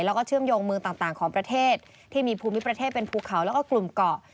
แล้วก็เชื่อมโยงเมืองต่างของประเทศที่มีภูมิประเทศเป็นภูเขาแล้วก็กลุ่มเกาะ